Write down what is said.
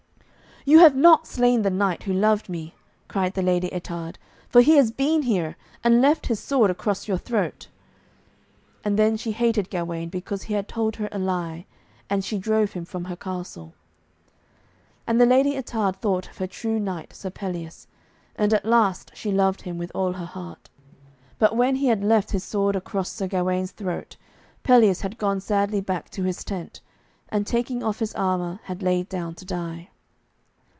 'You have not slain the knight who loved me,' cried the Lady Ettarde, 'for he has been here, and left his sword across your throat.' And then she hated Gawaine because he had told her a lie, and she drove him from her castle. And the Lady Ettarde thought of her true knight Sir Pelleas, and at last she loved him with all her heart. But when he had left his sword across Sir Gawaine's throat, Pelleas had gone sadly back to his tent, and taking off his armour, had lain down to die.